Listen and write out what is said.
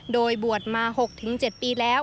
โดยบวชมา๖๗ปีแล้ว